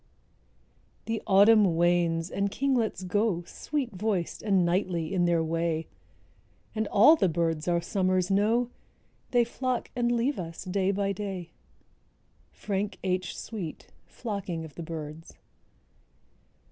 _) The autumn wanes, and kinglets go, Sweet voiced and knightly in their way, And all the birds our summers know, They flock and leave us day by day. —Frank H. Sweet, "Flocking of the Birds."